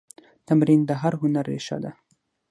تمرین د هر هنر ریښه ده.